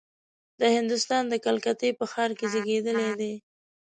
د هندوستان د کلکتې په ښار کې زېږېدلی دی.